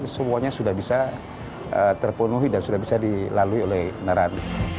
semuanya sudah bisa terpenuhi dan sudah bisa dilalui oleh naran